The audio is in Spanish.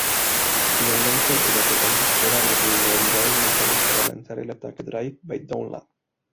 Finalmente, el atacante explora las vulnerabilidades necesarias para lanzar el ataque Drive-by-Download.